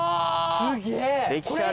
すげえ！